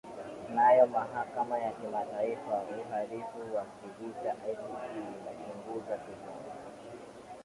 nayo mahakama ya kimataifa uhalifu wa kivita icc inachunguza tuhuma